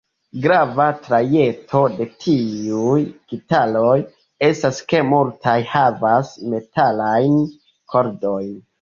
Grava trajto de tiuj gitaroj estas ke multaj havas metalajn kordojn.